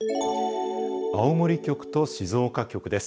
青森局と静岡局です。